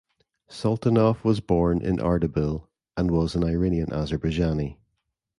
Sultanov was born in Ardabil and was an Iranian Azerbaijani.